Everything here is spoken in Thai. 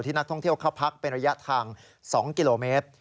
นักท่องเที่ยวเข้าพักเป็นระยะทาง๒กิโลเมตร